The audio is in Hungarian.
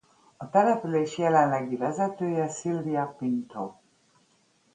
A település jelenlegi vezetője Silvia Pinto.